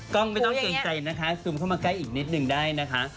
กล้องไม่ต้องเกรงใจนะคะซึมเข้ามาใกล้อีกนิดนึงได้นะคะ